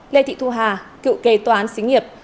lê thị thu hà cựu kế toán xí nghiệp